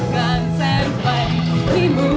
กลางแสนไฟที่หมุน